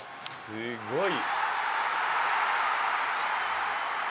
すごい。